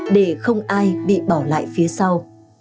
để không ai bị bỏ lại phía sau